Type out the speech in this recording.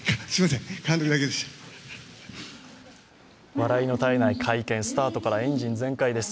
笑いの絶えない会見、スタートからエンジン全開です。